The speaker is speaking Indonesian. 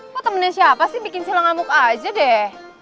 kok temennya siapa sih bikin sila ngamuk aja deh